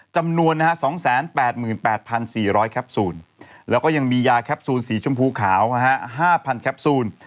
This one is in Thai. จำนวน๒๘๘๔๐๐แคปซูลแล้วก็ยังมียาแคปซูลสีชมพูขาว๕๐๐แคปซูล